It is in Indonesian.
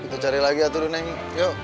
kita cari lagi aturah neng yuk